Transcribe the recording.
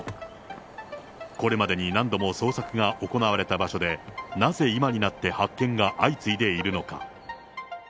これまでに何度も捜索が行われた場所で、なぜ今になって発見が相次いでいるのか。